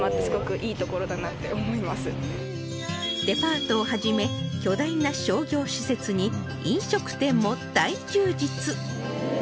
デパートを始め巨大な商業施設に飲食店も大充実